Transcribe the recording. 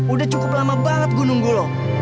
udah cukup lama banget gua nunggu lu